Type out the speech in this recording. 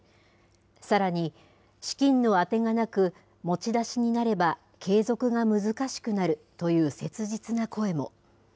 さらに資金の当てがなく、持ち出しになれば、継続が難しくなるという切実な声も。